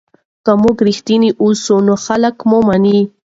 که موږ رښتیني اوسو نو خلک مو مني.